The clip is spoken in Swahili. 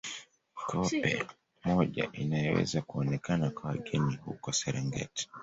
Koppe moja inayoweza kuonekana kwa wageni huko Serengeti